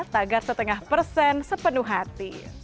tagar setengah persen sepenuh hati